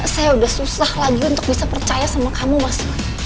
saya sudah susah lagi untuk bisa percaya sama kamu mas